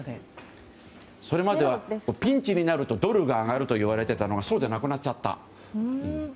それまではピンチになるとドルが上がるといわれていたのがそうでなくなっちゃった。